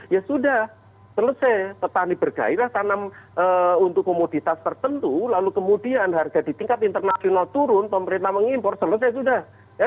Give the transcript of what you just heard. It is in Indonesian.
ya sudah selesai petani bergairah tanam untuk komoditas tertentu lalu kemudian harga di tingkat internasional turun pemerintah mengimpor selesai sudah